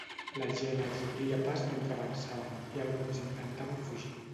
La gent els obria pas mentre avançaven, i alguns intentaven fugir.